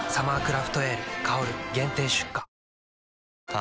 あ